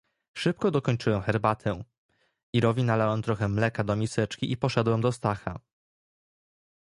"Szybko dokończyłem herbatę, Irowi nalałem trochę mleka do miseczki i poszedłem do Stacha."